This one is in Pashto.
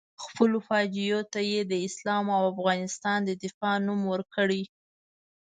خپلو فجایعو ته یې د اسلام او افغانستان د دفاع نوم ورکړی.